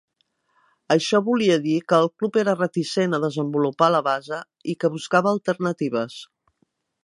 Això volia dir que el club era reticent a desenvolupar la base i que buscava alternatives.